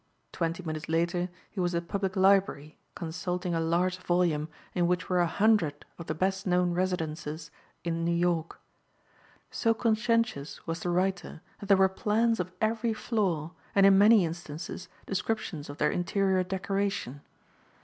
Twenty minutes later he was at the Public Library consulting a large volume in which were a hundred of the best known residences in New York. So conscientious was the writer that there were plans of every floor and in many instances descriptions of their interior decoration.